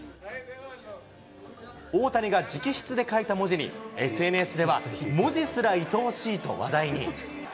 大谷が直筆で書いた文字にＳＮＳでは、文字すらいとおしいと話題に。